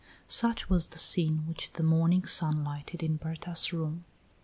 Such was the scene which the morning sun lighted in Berta's room.